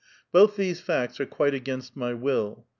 Both these facts are quite against my will.